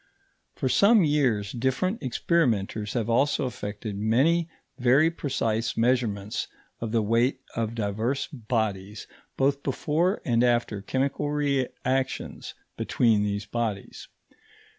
For some years different experimenters have also effected many very precise measurements of the weight of divers bodies both before and after chemical reactions between these bodies.